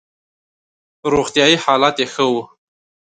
روغتیايي حالت یې ښه وو.